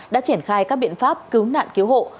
đã triển khai các biện pháp cứu nạn cứu hộ